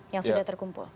yang sudah terkumpul